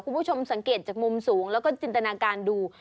คุณผู้ชมสังเกตจากมุมสูงแล้วก็จินตนาการดู